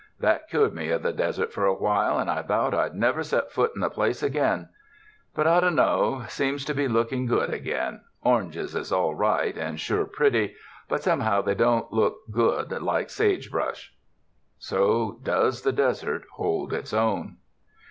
That cured me of the desert for a while, and I vowed I'd never set foot on the place again ; but I dunno, seems to be looking good again. Oranges is all right and sure pretty; but, somehow, they don't look good like sagebrush." So does the desert hold its own.